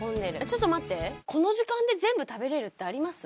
ちょっと待ってこの時間で全部食べれるってあります？